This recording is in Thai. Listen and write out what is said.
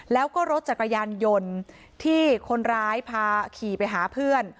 แล้วก็รถจักรยานยนต์ที่คนร้ายพาขี่ไปหาเพื่อน